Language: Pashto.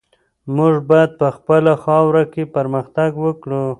موږ باید په خپله خاوره کې پرمختګ وکړو.